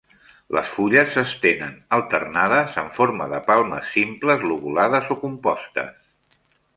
Les fulles s'estenen alternades en forma de palmes simples lobulades o compostes.